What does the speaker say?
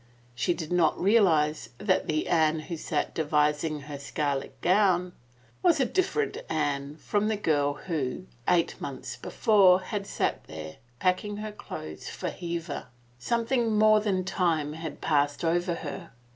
She did not realize that the Anne who sat devising her scarlet gown was a different Anne from the girl who, eight months before, had sat there, packing her clothes for Hever. Something more than time had passed over her.